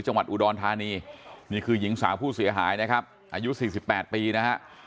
จังหวัดอุดรธานีนี่คือหญิงสาวผู้เสียหายนะครับอายุ๔๘ปีนะฮะ